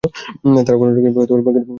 তাঁরা কর্ণাটকের বেঙ্গালুরুর বাসিন্দা।